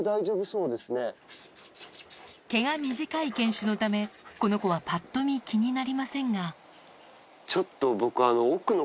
毛が短い犬種のためこの子はぱっと見気になりませんがちょっと僕あの。